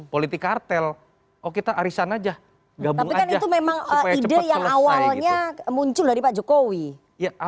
politik kartel oh kita arisan aja gabung aja itu memang ide yang awalnya muncul dari pak jokowi